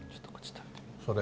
それ。